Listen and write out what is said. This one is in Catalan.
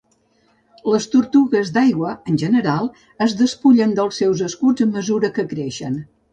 Les tortugues d'aigua en general es despullen dels seus escuts a mesura que creixen.